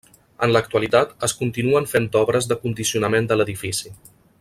En l'actualitat es continuen fent obres de condicionament de l'edifici.